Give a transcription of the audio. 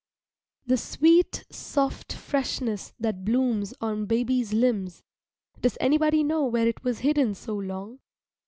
The sweet, soft freshness that blooms on baby's limbs does anybody know where it was hidden so long?